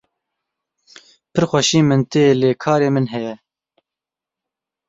Pir xweşî min tê lê karê min heye.